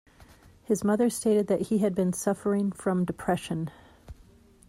His mother stated that he had been suffering from depression.